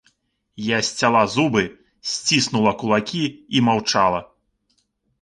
Я сцяла зубы, сціснула кулакі і маўчала.